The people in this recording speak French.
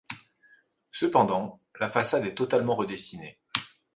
Cependant, la façade est totalement redessinée.